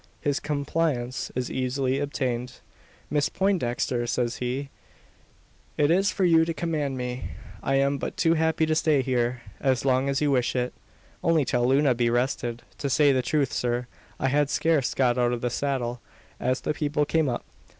His compliance is easily obtained. "Miss Poindexter," says he, "it is for you to command me. I am but too happy to stay here, as long as you wish it." "Only till Luna be rested. To say the truth, sir, I had scarce got out of the saddle, as the people came up.